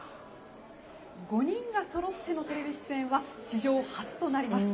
５人がそろってのテレビ出演は史上初となります。